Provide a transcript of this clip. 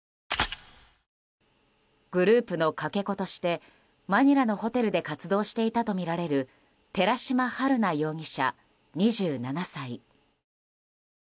グループのかけ子としてマニラのホテルで活動していたとみられる寺島春奈容疑者、２７歳。